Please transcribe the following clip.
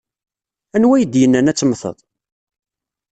Anwa ay d-yennan ad temmteḍ?